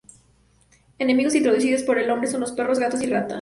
Enemigos introducidos por el hombre son los perros, gatos y ratas.